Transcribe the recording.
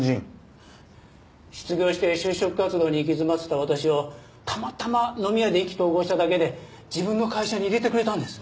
失業して就職活動に行き詰まってた私をたまたま飲み屋で意気投合しただけで自分の会社に入れてくれたんです。